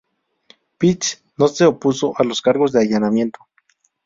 Pitts no se opuso a los cargos de allanamiento.